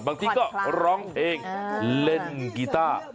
บางทีก็ร้องเพลงเล่นกีต้า